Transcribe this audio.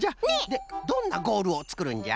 でどんなゴールをつくるんじゃ？